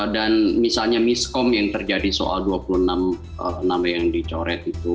dan misalnya miskom yang terjadi soal dua puluh enam yang dicoret itu